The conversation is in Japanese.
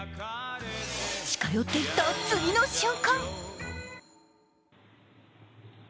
近寄っていった次の瞬間。